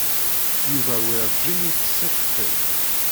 Yuba werǧin yettess akeffay.